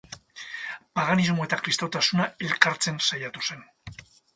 Paganismoa eta kristautasuna elkartzen saiatu zen.